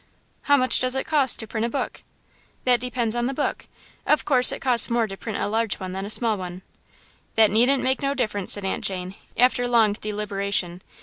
"How much does it cost to print a book?" "That depends on the book. Of course it costs more to print a large one than a small one." "That needn't make no difference," said Aunt Jane, after long deliberation.